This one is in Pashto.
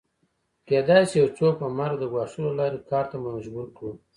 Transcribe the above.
کېدای شي یو څوک په مرګ د ګواښلو له لارې کار ته مجبور کړو